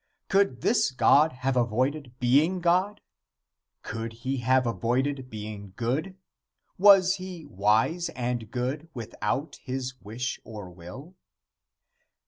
Could this God have avoided being God? Could he have avoided being good? Was he wise and good without his wish or will?